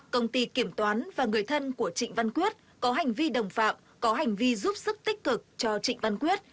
công ty kiểm toán và người thân của trịnh văn quyết có hành vi đồng phạm có hành vi giúp sức tích cực cho trịnh văn quyết